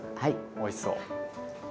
おいしそう。